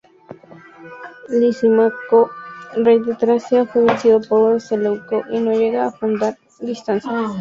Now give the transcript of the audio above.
Lisímaco, rey de Tracia, fue vencido por Seleuco y no llegó a fundar dinastía.